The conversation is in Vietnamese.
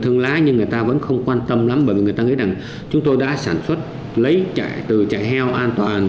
thương lái nhưng người ta vẫn không quan tâm lắm bởi vì người ta nghĩ rằng chúng tôi đã sản xuất lấy chạy từ chạy heo an toàn